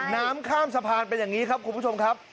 น้ำข้ามสะพานเป็นอย่างนี้ครับคุณผู้ชมครับ